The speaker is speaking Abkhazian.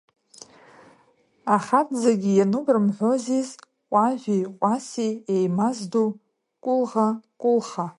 Ахаӡӡагьы иануп рымҳәозиз, Ҟәажәи Ҟәаси еимаздоу Кәылӷа, Кәылха?